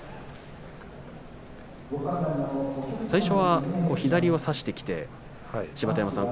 最初は左を差してきて芝田山さん